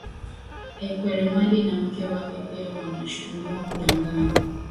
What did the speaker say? Ekweremadi na mke wake pia wanashutumiwa kudanganya